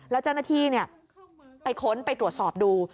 แล้วเจ้าหน้าที่ไปค้นไปตรวจสอบดู